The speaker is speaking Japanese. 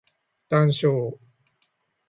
談笑